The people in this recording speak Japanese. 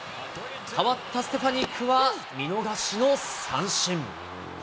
代わったステファニクは見逃しの三振。